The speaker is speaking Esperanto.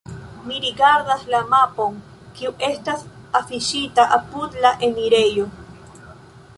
Mi rigardas la mapon, kiu estas afiŝita apud la enirejo.